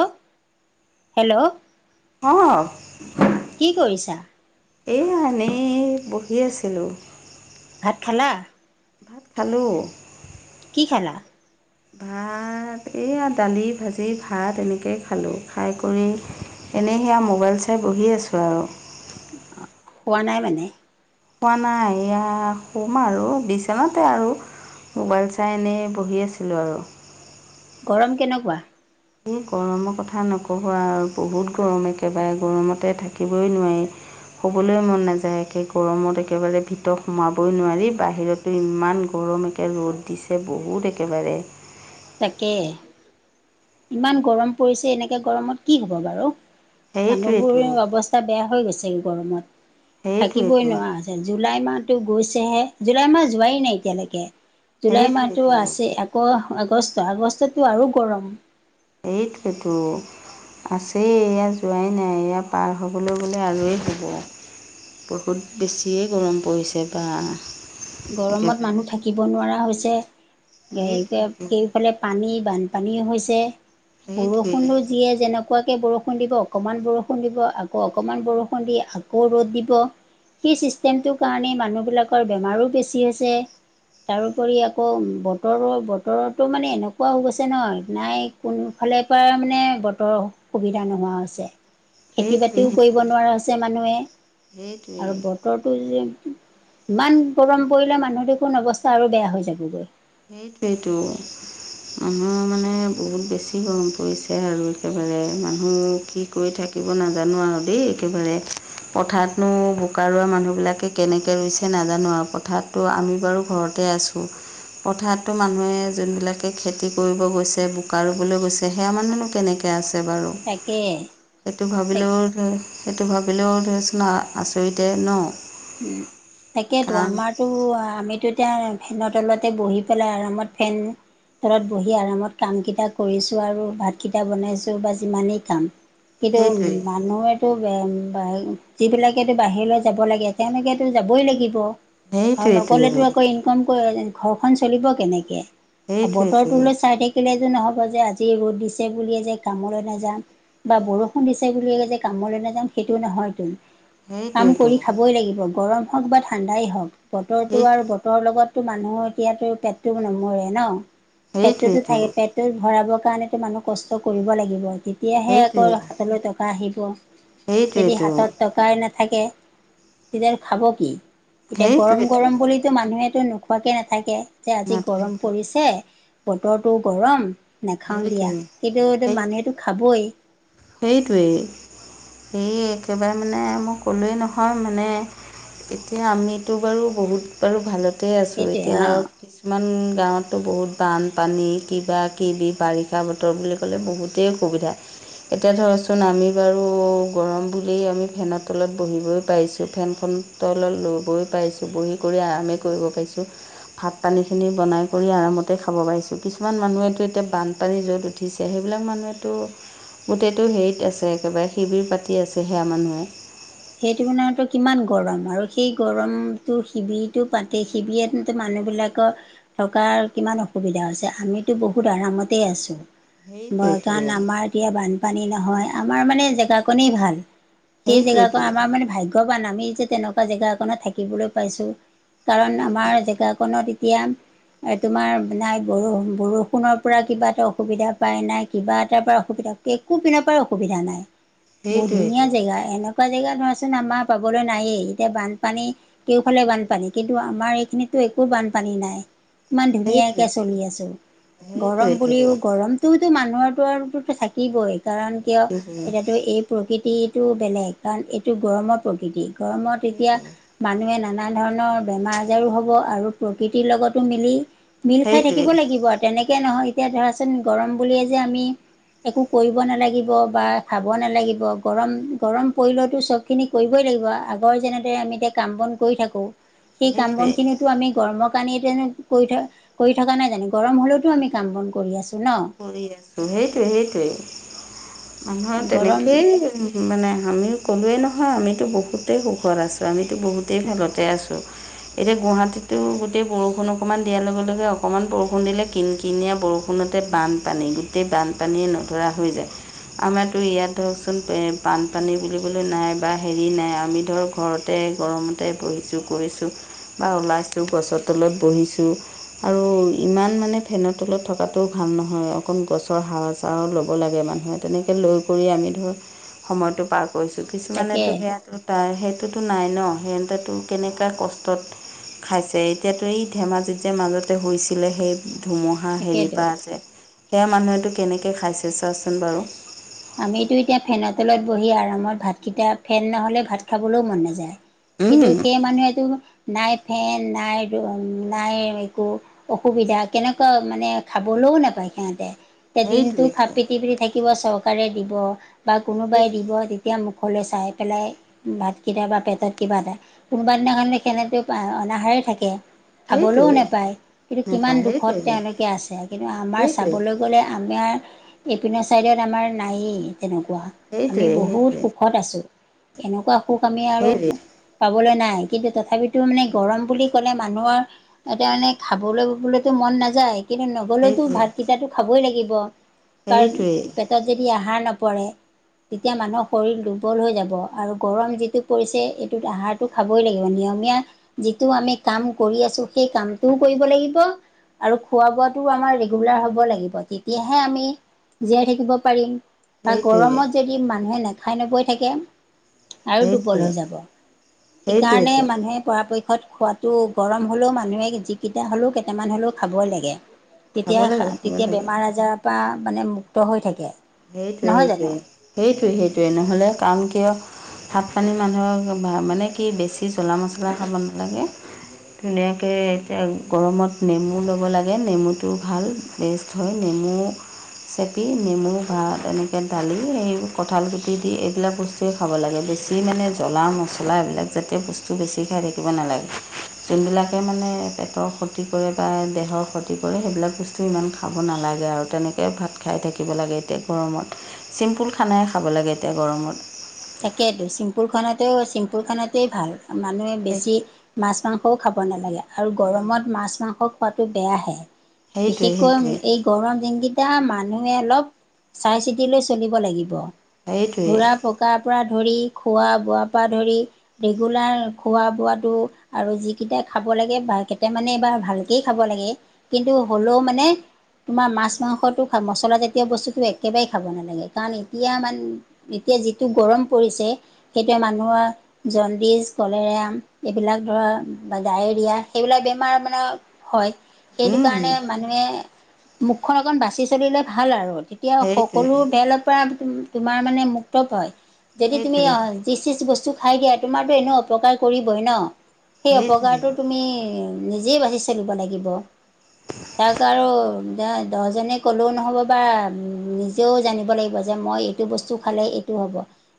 অ, hello. অ',। কি কৰিছা? এইয়া এনেই বহি আছিলোঁ। ভাত খালা? ভাত খালোঁ। কি খালা? [inaudible] ভাত এইয়া দালি, ভাজি, ভাত এনেকে খালোঁ খাই কৰি এনেই সেয়া মোবাইল চাই বহি আছোঁ আও অ শুৱা নাই মানে? শুৱা নাই এয়া শুম আৰু বিচনাতে আৰু মোবাইল চাই এনেই বহি আছিলোঁ আৰু। গৰম কেনেকুৱা? এই গৰমৰ কথা নকবা আৰু বহুত গৰম একেবাৰে গৰমতে থাকিবই নোৱাৰি। শু'বলৈ মন নাযায় একে গৰমত একেবাৰে ভিতৰত সোমাবই নোৱাৰি বাহিৰত তে, ইমান গৰম একে ৰ'দ দিছে বহুত একেবাৰে। তাকে। ইমান গৰম পৰিছে এনেকে গৰমত কি হব বাৰু মানুহবোৰ সেইটোৱেতো অৱস্ স্থা বেয়া হৈ গৈছে গৰমত থাকিবই সেইটোৱেতো নোৱাৰা হৈছ জুলাই মাহটো গৈছেহে জুলাই মাহ যোৱাই নাই এতিয়ালেকে। জুলাই মাহটো সেইটোৱেতো আছেই আকৌ আগষ্ট আগষ্টততো আৰু গৰম। এইটোৱেইটো। আছেই এয়া যোৱাই নাই এয়া পাৰ হ'বলৈ গ'লে আৰুৱেই হ'ব। বহুত বেছিয়ে গৰম পৰিছে বা। গৰমত একেবাৰে মানুহ থাকিব নোৱাৰা হৈছে, দে এতিয়া সেইটোৱেতো কেউফালে পানী, বানপানী হৈছে সেইটোৱেই বৰষুণো যিয়ে যেনেক কুৱাকে বৰষুণ দিব, অকণমান বৰষুণ দিব আকৌ অকণমান বৰষুণ দি আকৌ ৰ'দ দিব। সেই চিষ্টেমটোৰ কাৰণে মানুহবিলাকৰ বেমাৰো বেছি হৈছে। তাৰোপৰি আকৌ বতৰৰ বতৰৰতো মানে এনেকুৱা হৈ গৈছে নহয় নাই কোনো ফালে পৰা মানে বতৰ সুবিধা নোহোৱা হৈছে। খেতি সেইটোৱেই বাতিও কৰিব সেইটোৱেই নোৱাৰা হৈছে মানুহে, আৰু সেইটোৱেই ব তৰটো যে ইমান গৰম পৰিলে মানুহ দেখোন অৱস্থা আৰু বেয়া হৈ যাবগৈ। সেইটোৱেটো আমাৰ মানে বহুত বেছি গৰম পৰিছে আৰু একেবাৰে মানুহ কি কৰি থাকিব নাজানো আৰু দেই একেবাৰে পথাৰতনো বোকা ৰোৱা মানুহবিলাকে কেনেকে ৰুইছে নাজানো আৰু পথাৰতটো আমি বাৰু ঘৰত তে আছোঁ। পথাৰতটো মানুহে যোনবিলাকে খেতি কৰিব গৈছে বোকা ৰুবলৈ গৈছে সেয়া মানুহনো কেনেকে কে আছে বাৰু তাকে সেইটো ভাবিলেও ধৰ সেইটো ভাবিলেও ধৰ চোন আচৰিতে ন। উম, তাকেতো কাৰণ আমাৰ তো আমিতো এতিয়া ফেনৰ তলতে বহি পেলাই আৰামত ফেন তলত বহি আৰামত কামকেইটা কৰিছোঁ আৰু ভাতকেইটা বনাইছোঁ বা সিমানেই কাম। কিন্তু সেইটোৱেই মানুহেতো যিবিলাকেতো বাহিৰলৈ যাব লাগে। তেনেকেতো যাবই লাগিব আৰু সেইটোৱেইতো নক'লেতো আকৌ এ খন কৰেনে, ঘৰ খন চলিব কেনেকে? আৰু সেইটোৱেইতো বতৰটোলে চাই থা কিলে যে নহ'ব যে আজি ৰ'দ দিছে বুলিয়ে যে কামলৈ নাযাম। বা বৰষুণ দিছে বুলিয়ে যে কামলৈ নাযাম সেইটো নহয় তু। কাম সেইটোৱেইতো কৰি খাবই লাগিব গৰম হওক বা ঠাণ্ডাই হওক। বতৰটো সেই আৰু পেটৰ লগতো মানুহ এতিয়াতো পেটটো নমৰে ন, পেটটোতো সেইটোৱেইতো থাকে পেট টো ভৰাবৰ কাৰণেতো মানুহ কষ্ট কৰিব লাগিব। তেতিয়াহে সেইটোৱে আকৌ হাতলৈ টকা আহিব। যদি সেইটোৱেতো হাতত টকাই নাথাকে। তেতিয়া খাব কি? এতিয়া গৰম সেইটোৱেতো গৰম বুলি মানুহেতো নোখোৱাকে নাথাকে, যে আজি নাথাকে গৰম পৰিছে বতৰটো গৰম নাখাও দিয়া সেইটোৱে কিন্তু এইটো সেই মানুহেতটো খাবই। সেইটোৱেই, এই একেবাৰে মানে মই ক'লোৱেই নহয় মানে এতিয়া আমিতো বাৰু বহুত বাৰু ভালতে আছো, সেইটোৱে এতিয়া অ ইমান গাঁৱততো বহুত বানপানী কিবা কিবি বাৰিষা বতৰ বুলি ক'লে বহুতেই অসুবিধা। এতিয়া ধৰচোন আমি বাৰু গৰম বুল আমি ফেনৰ তলত বহিবই পাইিছোঁ। ফেনখন তলত লৈ গৈ পাইছোঁ বহি কৰি আৰামে কৰিব পাৰিছোঁ। ভাত পানী খিনি বনাই কৰি আৰামতে খাব পাৰিছো, কিছুমান মানুহেতটো এতিয়া বানপানী যত উঠিছে, সেইবিলাক মানুহেতো গোটেইটো হেৰিত আছে, একেবাৰে শিবিৰ পাতি আছে সেয়া মানুহে। সেইটো মনেতো কিমান গৰম আৰু সেই গৰমটো শিবিৰটো পাতেই। শিবিয়েটো মানুহবিলাকৰ থকাৰ কিমান অসুবিধা হৈছে আমিতো বহুত আৰামতেই আছোঁ সেইটোৱেইতো বাগান আমাৰ এতিয়া বানপানী নহয় আমাৰ মানে জেগা কনেই ভাল সেই জেগা সেইটোৱেইতো ভাগ‌্যবান আমি যে তেনেকুৱা জেগা অকনত থাকিবলৈ পাইছো কাৰণ আমাৰ খনত এতিয়া তোমাৰ নাই ব বৰষুণৰ পৰা কিবা এটা অসুবিধা পায় নাই কিবা এটাৰ পৰা অসুবিধা পায় একো পিনৰ পৰা অসুবিধা নাই বহুত সেইটোৱেইটো ধুনীয়া জেগা এনেকুৱা, থকা জেগাত ধোৱাচোন আমাৰ পাবলৈ নায়েই এতিয়া বানপানী কেওফালে বানপানী কিন্তু আমাৰ এইখিনিতো একো বানপানী নাই। ইমান ধুনীয়াকৈ সেইটোৱেইটো চলি আছোঁ সেইটোৱেইটো গৰম বুলিও গৰম তো মানুহৰোতো থাকিবই কাৰণ কিয় সেইটোৱে এতিয়াতো এই প্ৰকৃতিটো বেলেগ কাৰণ এইটো গৰমৰ প্ৰকৃতি গৰমত এতিয়া সেইটোৱে মানুহে নানা ধৰণৰ বেমাৰ আজাৰো হব আৰু প্ৰকৃতিৰ লগতো মিলি মিল খাই থাকিব সেইটোৱে লাগিব আৰু তেনেকে নহয় এতিয়া ধৰাচোন গৰম বুলিয়ে যে আমি একো কৰিব নালাগিব বা খাব নালাগিব গৰম গৰম পৰি লতটো চবখিনি কৰিবই লাগিব আগৰ যেনেদৰে আমি এতিয়া কাম বন কৰি থাকোঁ সেই কাম সেইটোৱে বনখিনিতো আমি গৰমৰ কাৰণেটো এনেই কৰি থ কৰি থকা নাই জানো গৰম হ'লেওতো আমি কাম বন কৰি আছোঁ ন কৰি আছো সেইটোৱে সেইটোৱে আন্ধাৰত গৰম তেনেকেই মানে আমিও ক'লোৱেই নহয় আমিতো বহুতেই সুখত আছোঁ আমিতো বহুতেই ভালতে আছোঁ এতিয়া গুৱাহাটীতো গোটেই বৰষুণ অকণমান দিয়াৰ লগে লগে অকণমান বৰষুণ দিলে কিন কিনিয়া বৰষুণত গোটেই বানপানী গোটেই বানপানীয়ে নধৰা হৈ যায়। আমাৰো ইয়াত ধৰকচোন বানপানী বুলিবলৈ নাই বা হেৰি নাই আমি ধৰক ঘৰতে গৰমতে বহিছোঁ কৰিছোঁ বা ওলাইছোঁ গছৰ তলত বহিছোঁ আৰু ইমান মানে ফেনৰ তলত থকা তাতো ভাল নহয় অকণ গছৰ হাৰ আ চাৰ ল'ব লাগে মানুহে তেনেকৈ লৈ কৰি আমি ধৰক সময়তটো পাৰ কৰিছো তাকে কিছুমানেতো সেয়া তাৰ সেইটোতো নাই ন সিহটো কেনেকুৱৈ কষ্টত খাইছে এতিয়াতো এই ধেমাজি যোদ্মৱ্যৰ মাজতে হৈছিলে সেই ধুমুহা হাঁহ হেৰিৰ তাকেইতো পৰা আছে সেয়া মানুহেতো কেনেকৈ খাইছে চোৱাচোন বাৰু আমিতো এতিয়া ফেনৰ তলত বহি আৰামত ভাতকেইটা ফেন নহ'লে ভাত খাবলৈও মন নাযায়। কিন্তু উম, সেই মানুহেতো নাই ফেন নাই নাই একো অসুবিধা কেনেকুৱা মানে খাবলৈও নাপায় সিহটে সেই দিনটো সেইটোৱেইটো হাত পিটি পিটি থাকিব চৰকাৰে দিব বা কোনোবাই দিব, এতিয়া মুখলৈ চাই পেলাই ভাতকেইটা বা পেটত কিবা এটা কোনোবা দিনাখন সেনেকেও অনাহেই থাকে খাবলৈও সেইটোৱেই নেপায় কিন্তু কিমান নাপায় দুখত সেইটোৱেইটো তেওঁলোকে আছে কিন্তু আমাৰ সেইটোৱেই চাবলৈ - আমাৰ এইপিনৰ চাইডত আমাৰ নায়েই তেনেকুৱা আমি সেইটোৱেই সেইটোৱেই বহুত সুখত আছোঁ এনেকুৱা সুখ আমি আৰু সেইটোৱেই পাবলৈ নাই কিন্তু তথাপিত এইটো মানে গৰম বুলি ক'লে মানুহৰ এতিয়া মানে খাবলৈ ববলৈতো মন নাযায়। কিন্তু নগলেওতো সেইটোৱেই ভাতকেইটাটো খাবই লাগিব কাৰণ সেইটোৱেই পেটত যদি আহাৰ নপৰে - তেতিয়া মানুহৰ শৰীৰ দুৰ্বল হৈ যাব আৰু গৰম যিটো পৰিছে এইটোত আহাৰ খাবই লাগিব নিয়মীয়া যিটো আমি কাম কৰি আছো সেই কামটোও কৰিব লাগিব আৰু খোৱা বোৱাটো আমাৰ ৰেগুলাৰ হব লাগিব তেতিয়াহে আমি জীয়াই থাকিব পাৰিম বা সেইটোৱেই গৰমত যদি মানুহে নাখাই নবৈ থাকে, আৰু দুৰ্বল সেইটোৱে হৈ যাব সেইকাৰণে সেইটোৱেইটো মানুহে পৰাপক্ষত খোৱা তো গৰম হ'লেও মানুহে যিকেইটা হ'লেও কেইটামান হ'লেও খাবই লাগে। খাব তেতিয়া লাগে খাব তেতিয়া লাগে বেমাৰ আজাৰৰ পৰা মানে মুক্ত হৈ থাকে। সেইটোৱে নহয় জানো সেইটোৱে সেইটোৱে সেইটোৱে নহ'লে কাৰণ কিয় ভাত পানী মানুহক মানে কি বেছি জ্বলা মছলা খাব নালাগে। ধুনীয়াকে এতিয়া গৰমত নেমু ল'ব লাগে নেমুটো ভাল। বেষ্ট হয়, নেমু চেপি নেমু বা এনেকৈ দালি এই কঁঠালগুটি দি এইবিলাক বস্তুৱে খাব লাগে বেছি মানে জ্বলা ম ছলা এইবিলাক জাতীয় বস্তু বেছি খাই থাকিব নালাগে। যোনবিলকে মানে পেটৰ ক্ষতি কৰে বা দেহৰ ক্ষতি কৰে সেইবিলাক বস্তু ইমান খাব নালাগে আৰু তেনেকৈ ভাত খাই থাকিব লাগে। এতিয়া গৰমত চিম্পুল খানাই খাব লাগে এতিয়া গৰমত। তাকেটো চিম্পুল খানাটো চিম্পুল খানাটোৱেই ভাল। মানুহে বেছি মাছ মাংসও খাব নালাগে আৰু গৰমত মাছ মাংস খোৱাটো বেয়াহে সেইটোৱে বিশেষকৈ সেইটোৱে এই গৰম দিনকেইটা মানুহে অলপ চাই চিতি লৈ চলিব লাগিব। সেইটোৱে ঘোৰা পকাৰ পৰা ধৰি খোৱা বোৱাৰ পৰা ধৰি ৰেগুলাৰ খোৱা বোৱাটো আৰু যিকেইটাই খাব লাগে বা কেইটামানে বা ভালকেই খাব লাগে। কিন্তু হ'লেও মানে তোমাৰ মাছ মাংসটো মছলা জাতীয় বস্তুটো একেবাৰেই খাব নালাগে কাৰণ এতিয়া মান এতিয়া যিটো গৰম পৰিছে সেইটোৱে মানুহৰ জণ্ডিছ কলেৰিয়া এইবিলাক ধৰা বা ডায়েৰিয়া সেইবিলাক বেমাৰ মানে হয় সেইটো কাৰণে মানুহে মুখখন অকন বাচি চলিলে ভাল আৰু। তেতিয়া সেইটোৱে সকলো ফালৰ পৰা তোমাৰ মানে মুক্ত পায়। যদি তুমি সেইটোৱে যি চি বস্তু খাই দিয়া তোমাৰতো এনেও অপকাৰ কৰিবই ন। সেই সেইটোৱে অপকাৰটো তুমি নিজেই বাচি চলিব লাগিব। তাক আৰু দহজনে ক'লেও নহ'ব বা নিজেও জানিব লাগিব যে মই এইটো বস্তু খালে এইটো হ'ব।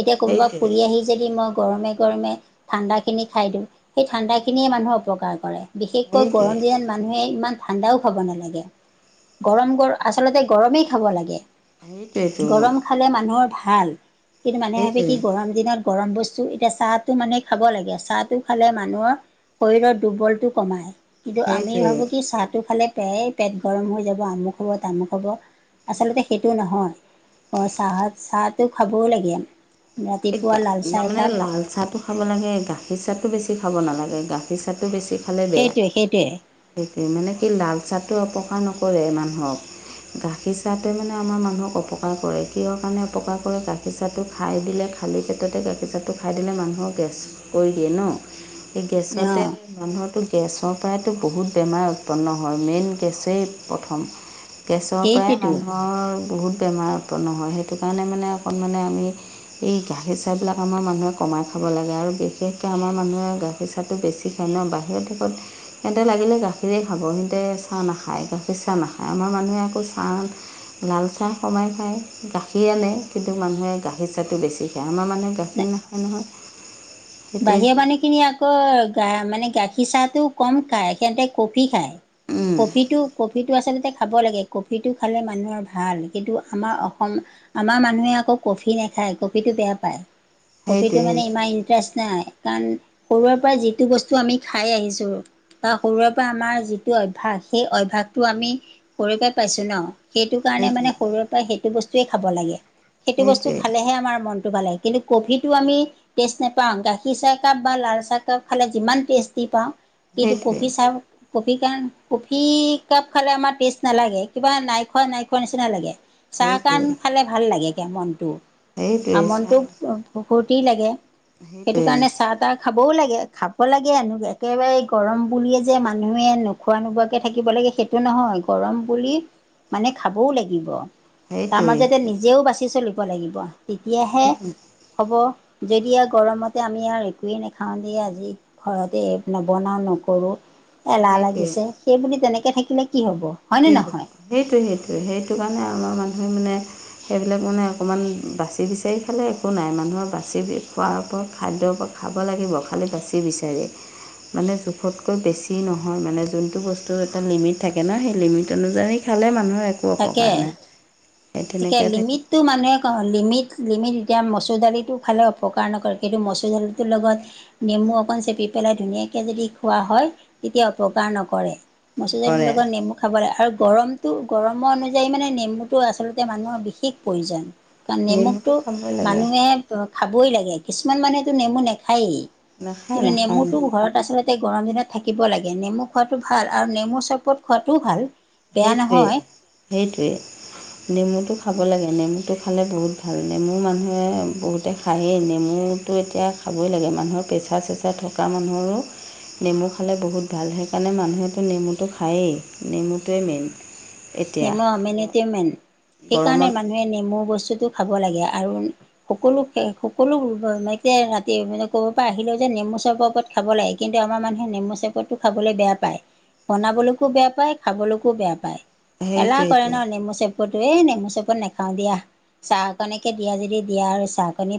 এতিয়া ক'ৰবাৰ পৰা সেইটোৱে ফুৰি আহি যদি মই গৰমে গৰমে ঠাণ্ডাখিনি খাই দিওঁ, সেই ঠাণ্ডাখিনিয়ে মানুহৰ অপকাৰ কৰে। বিশেষকৈ সেইটোৱে গৰম দিনত মানুহে ইমান ঠাণ্ডাও খাব নালাগে, গৰম গৰম আচলতে গৰমেই খাব লাগে। সেইটোৱেইটো। গৰম খালে মানুহৰ ভাল কিন্তু মানুহে ভাবে কি সেইটোৱে গৰম দিনত গৰম বস্তু এতিয়া চাহটো মানে খাব লাগে, চাহটো খালে মানুহৰ শৰীৰৰ দুৰ্বলটো কমায়। কিন্তু আমি সেইটোৱে ভাবো কি চাহটো খালে প্ৰায় পেট গৰম হৈ যাব আমুক হ'ব তামুক হ'ব। আচলতে সেইটো নহয় অ চাহ চাহটো খাবও লাগে। এই ৰাতিপুৱা লাল চাহ তাৰমানে একাপ লাল চাহটো খাব লাগে, গাখীৰ চাহটো বেছি খাব নালাগে গাখীৰ চাহটো বেছি খালে বেয়া। সেইটোৱে সেইটোৱে সেইটোৱে মানে কি লাল চাহটো অপকাৰ নকৰে মানুহক। গাখীৰ চাহটোৱে মানে আমাৰ মানুহক অপকাৰ কৰে, কিহৰ কাৰণে অপকাৰ কৰে গাখীৰ চাহটো খাই দিলে খালী পেটতে গাখীৰ চাহটো খাই দিলে মানুহক গেছ কৰি দিয়ে ন সেই গেছতে অঁ মানুহৰটো গেছৰ পৰাইতো বহুত বেমাৰ উৎপন্ন হয়। মেইন গেছেই প্ৰথম গেছৰ পৰাই সেইটোৱেতো মানুহৰ বহুত বেমাৰ উৎপন্ন হয় সেইটো কাৰণে মানে অকণমান আমি এই গাখীৰ চাহ বিলাক আমাৰ মানুহে কমাই খাব লাগে আৰু বিশেষকে আমাৰ মানুহে গাখীৰ চাহ চাহটো বেছি খায় ন বাহিৰৰ দেশত সিহঁতে লাগিলে গাখীৰেই খাব সিহঁতে চাহ নাখায় গাখীৰ চাহ নাখায় আমাৰ মানুহে আকৌ চাহ লাল চাহ কমাই খায় গাখীৰ আনে কিন্তু মানুহে গাখীৰ তাটো বেছি খায় আমাৰ মানে গাখীৰ নাখায় নহয় সেইটোৱে বাহিৰা মানুহ খিনিয়ে আকৌ গা মানে গাখীৰ চাহটো কম খায় সিহঁতে কফি খায়। সেইটোৱে কফিটো কফিটো আচলতে খাব লাগে কফিটো খালে মানুহৰ ভাল কিন্তু আমাৰ অসম আমাৰ মানুহে আকৌ কফি নেখায় কফিটো বেয়া পায় কফিটো মানে ইমান ইন্টাৰেষ্ট নাই কাৰণ সৰুৰে পৰা যিটো বস্তু আমি খাই আহিছোঁ বা সৰুৰে পৰা আমাৰ যিটো অভ্যাস সেই অভ্যাসটো আমি কৰিব পাইছোঁ ন। সেইটো কাৰণে সেইটোৱে মানে সৰুৰ পৰা সেইটো বস্তুৱেই খাব লাগে সেইটো বস্তু সেইটোৱে খালেহে আমাৰ মন মনটো ভাল হয় কফিটো আমি টেষ্ট নেপাওঁ পাওঁ গাখীৰ চাহকাপ বা লাল চাহকাপ খালে যিমান টেষ্টি পাওঁ কিন্তু সেইটোৱে কফি চাহ কফি কাপ কফি কাপ খালে আমাৰ টেষ্ট নালাগে কিবা নাই খোৱা নাই খোৱা নিচিনা লাগে। চাহকণ সেইটোৱে সেইটোৱে খালে ভাল লাগেগৈ মনটো সেইটোৱে আৰু চাহ মনটো ফূৰ্তি লাগে। সেইটো সেইটোৱে কাৰণে চাহ তাহ খাবও লাগে খাব লাগে আৰু একেবাৰে গৰম বুলিয়ে যে মানুহে নোখোৱা নোপোৱাকৈ থাকিব লাগে সেই এইটো নহয় গৰম বুলি মানে খাবও লাগিব। তাৰ সেইটোৱেই মাজতে নিজেও বাচি চলিব লাগিব তেতিয়াহে হ'ব যদি গৰমতে আমি ই একোৱেই নাখাওঁ দে আজি ঘৰতে নবনাওঁ নকৰোঁ। এলাহ সেইটোৱে লাগিছে সেইবুলি তেনেকৈ থাকিলে কি হ'ব। হয়নে কি হ'ব নহয় সেইটোৱে সেইটোৱে সেইটো কাৰণে আমাৰ মানুহে মানে সেইবিলাক মানে অকণমান বাচি বিচাৰি খালে একো নাই মানুহৰ বাচি খোৱাৰ ও খাদ্যৰ খাব লাগিব খালী বাচি বিচাৰি মানে জোখতকৈ বেছি নহয় মানে যোনটো বস্তুৰ এটা লিমিট থাকে ন সেই লিমিট অনুযায়ী খালে মানুহৰ একো তাকে অপকাৰ নাই। সেই গতিকে তেনেকৈ থাকি লিমিট মানুহে ক লিমিট লিমিট এতিয়া মচুৰ দালিটো খালে অপকাৰ নকৰে কিন্তু মচুৰ দালিটোৰ লগত নেমু অকণ চেপি পেলাই ধুনীয়াকৈ যদি খোৱা হয় তেতিয়া অপকাৰ নকৰে। মচুৰ দালিৰ কৰে লগত নেমু খাব লাগে আৰু গৰমতটো গৰমৰ অনুযায়ী মানে নেমুটো আচলতে মানুহৰ বিশেষ প্ৰয়োজন কাৰণ নেমুটো নেমুকটো খাবই লাগে মানুহে অ', খাবই লাগে কিছুমান মানুহেতো নেমু নেখায়েই নাখায় কিন্তু নাখায় নেমুতটো ঘৰত আচলতে তাতে গৰম দিনত থাকিব লাগে নেমু খোৱাতটো ভাল আৰু নেমু চৰ্বত খোৱাতটোও ভাল। বেয়া সেইটোৱেই নহয় সেইটোৱে নেমুটো খাব লাগে নেমুটো খালে বহুত ভাল নেমু মানুহে বহুতে খায়েই নেমুটো এতিয়া খাবই লাগে মানুহৰ প্ৰেছাৰ চেচাৰ ত থকা মানুহৰো নেমু খালে বহুত ভাল সেইকাৰণে মানুহেতো নেমুটো খায়েই নেমুটোৱেই মেইন এতিয়া নেমু অমেনট মেন সেইকাৰণে গৰমত মানুহে নেমু বস্তুটো খাব লাগে আৰু সকলো সকলো ময়া ৰাতি মানে ক'ব পৰা আহিলেও যে নেমু চপৰত খাব লাগে কিন্তু আমাৰ মানুহে নেমু চৰপতটো খাবলৈ বেয়া পায়। বনাবলৈকো বেয়া পায় খাবলৈকো বেয়া পায় এলাহ কৰে সেইটোৱেইতো ন নেমু চেপ এে নেমু চপত নাখাও দিয়া চাহ কণীকে দিয়া যদি দিয়া আৰু চাহ কণী